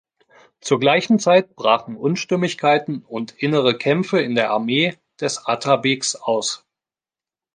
Zur gleichen Zeit brachen Unstimmigkeiten und innere Kämpfe in der Armee des Atabegs aus.